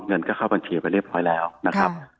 เงินก็เข้าบัญชีไปเรียบร้อยแล้วนะครับ